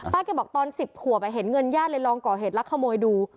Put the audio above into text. แกบอกตอน๑๐ขวบเห็นเงินญาติเลยลองก่อเหตุลักขโมยดู